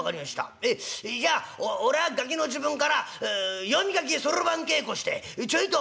ええじゃあ俺はガキの時分から読み書きそろばん稽古してちょいと」。